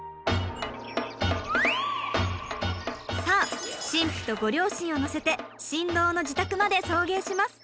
さあ新婦とご両親を乗せて新郎の自宅まで送迎します。